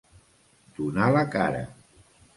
Donar la cara.